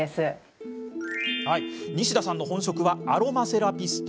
西田さんの本職はアロマセラピスト。